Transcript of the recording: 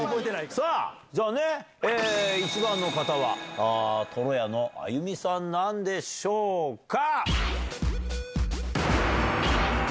さあ、じゃあね、１番の方はとろやのあゆみさんなんでしょうか。